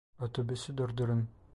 Otobüsü durdurun!